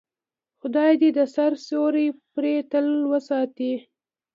خدای دې د سر سیوری پرې تل وساتي.